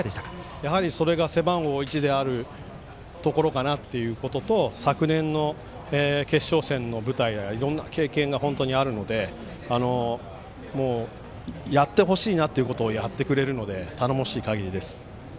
それが背番号１であるところかなというところと昨年の決勝戦の舞台やいろんな経験があるのでやってほしいなということをやってくれるので頼もしいかぎりです。